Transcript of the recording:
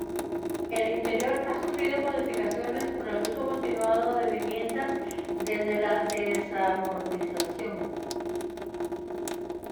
El interior ha sufrido modificaciones por el uso continuado de viviendas desde la desamortización.